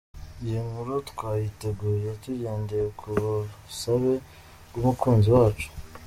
Iyi nkuru twayiteguye tugendeye ku busabe bw’umukunzi wacu.